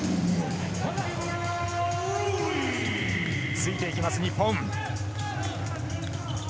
ついていきます、日本。